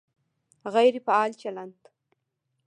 غیر فعال چلند